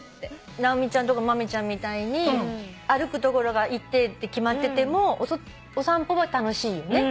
直美ちゃんとか豆ちゃんみたいに歩く所が一定って決まっててもお散歩は楽しいよね。